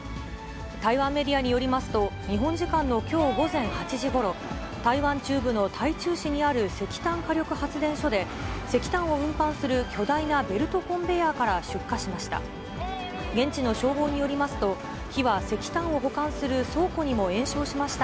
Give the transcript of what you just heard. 台湾メディアによりますと、日本時間のきょう午前８時ごろ、台湾中部の台中市にある石炭火力発電所で、石炭を運搬する巨大なベルトコンベヤーから出火しました。